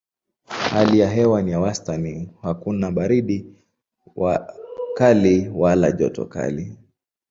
Hali ya hewa ni ya wastani hakuna baridi kali wala joto kali.